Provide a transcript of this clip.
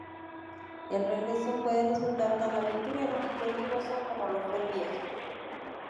El regreso puede resultar tan aventurero y peligroso como lo fue el viaje.